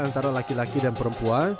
antara laki laki dan perempuan